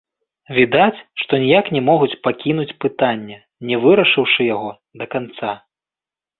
Відаць, што ніяк не могуць пакінуць пытання, не вырашыўшы яго да канца.